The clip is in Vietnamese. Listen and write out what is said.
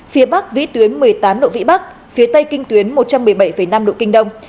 phía bắc vĩ tuyến một mươi tám độ vĩ bắc phía tây kinh tuyến một trăm một mươi bảy năm độ kinh đông